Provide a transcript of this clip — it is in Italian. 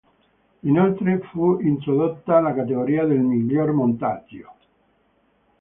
Inoltre, fu introdotta la categoria del miglior montaggio.